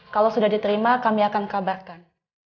kalau sudah diterima kami akan kabarkan